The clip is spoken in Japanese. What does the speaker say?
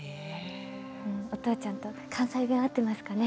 お父ちゃんと関西弁合っていますかね？